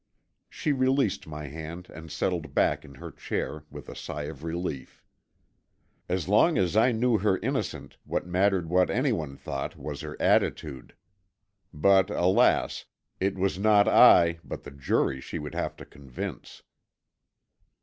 She released my hand and settled back in her chair with a sigh of relief. As long as I knew her innocent what mattered what anyone thought, was her attitude. But, alas, it was not I but the jury she would have to convince.